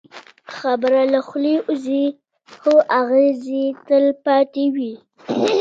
خبره له خولې ووځي، خو اغېز یې تل پاتې وي.